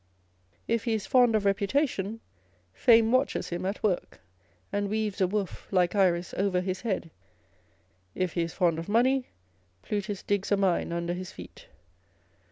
If he is fond of reputa tion, Fame watches him at work, and weaves a woof, like Iris, over his head â€" if he is fond of money, Plutus digs a mine under his feet.